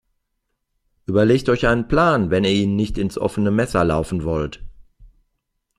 Überlegt euch einen Plan, wenn ihr ihnen nicht ins offene Messer laufen wollt.